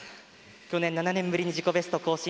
去年７年ぶりに自己ベストを更新。